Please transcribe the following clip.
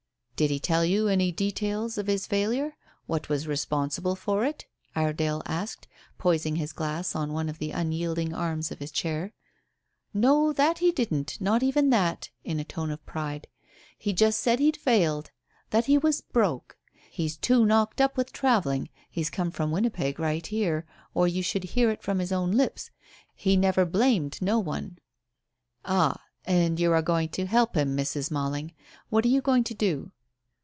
"Did he tell you any details of his failure? What was responsible for it?" Iredale asked, poising his glass on one of the unyielding arms of his chair. "No, that he didn't, not even that," in a tone of pride. "He just said he'd failed. That he was 'broke.' He's too knocked up with travelling he's come from Winnipeg right here or you should hear it from his own lips. He never blamed no one." "Ah and you are going to help him, Mrs. Malling. What are you going to do?"